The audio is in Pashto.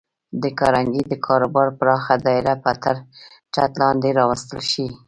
د کارنګي د کاروبار پراخه دایره به تر چت لاندې راوستل شي